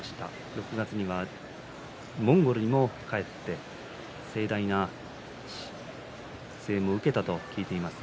６月にはモンゴルにも帰って盛大な声援を受けたとも聞いています。